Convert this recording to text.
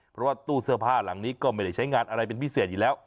เพราะว่าตู้เสื้อผ้าหลังนี้ก็ไม่ได้ใช้งานอะไรเป็นพิเศษอยู่แล้ว